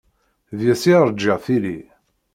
Deg-s i rǧiɣ tili.